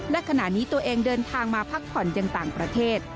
และขณะนี้ตัวเองเดินทางมาพักผ่อนยังต่างประเทศ